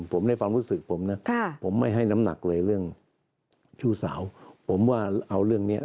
ผมในความรู้สึกผมนะผมไม่ให้น้ำหนักเลยเรื่องชู้สาวผมว่าเอาเรื่องเนี้ย